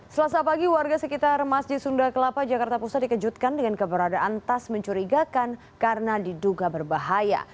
selasa pagi warga sekitar masjid sunda kelapa jakarta pusat dikejutkan dengan keberadaan tas mencurigakan karena diduga berbahaya